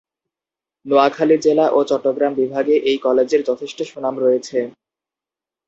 নোয়াখালী জেলা ও চট্রগ্রাম বিভাগে এই কলেজের যথেষ্ট সুনাম রয়েছে।